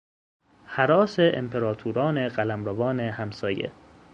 هراس امپراتوران قلمروان همسایه